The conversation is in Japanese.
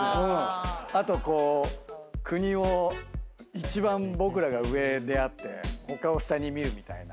あとこう国を一番僕らが上であって他を下に見るみたいな。